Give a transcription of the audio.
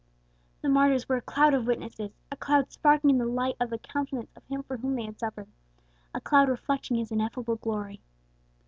The martyrs were "a cloud of witnesses," a cloud sparkling in the light of the countenance of Him for whom they had suffered, a cloud reflecting His ineffable glory.